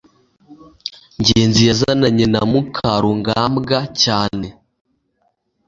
ngenzi yazananye na mukarugambwa cyane